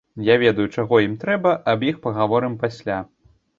Я ведаю, чаго ім трэба, аб іх пагаворым пасля.